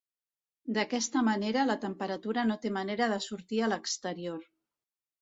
D'aquesta manera, la temperatura no té manera de sortir a l'exterior.